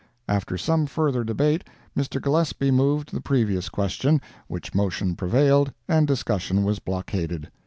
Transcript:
After some further debate, Mr. Gillespie moved the previous question, which motion prevailed, and discussion was blockaded.